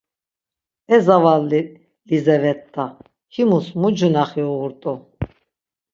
E zavali Lizevetta, himus mu cunaxi uğurt̆u.